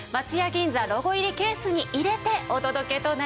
銀座ロゴ入りケースに入れてお届けとなります。